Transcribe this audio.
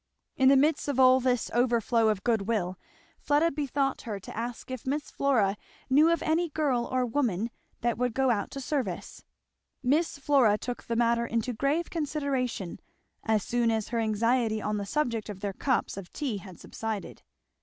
In the midst of all this over flow of good will Fleda bethought her to ask if Miss Flora knew of any girl or woman that would go out to service. Miss Flora took the matter into grave consideration as soon as her anxiety on the subject of their cups of tea had subsided.